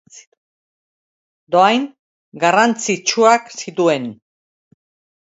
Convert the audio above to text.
Dohain garrantzitsuak zituen.